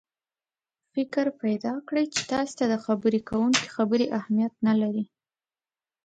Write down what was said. فکر پیدا کړي چې تاسې ته د خبرې کوونکي خبرې اهمیت نه لري.